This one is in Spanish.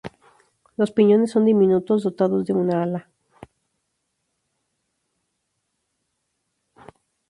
Los piñones son diminutos, dotados de una ala.